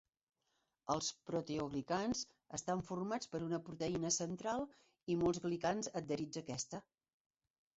Els proteoglicans estan formats per una proteïna central i molts glicans adherits a aquesta.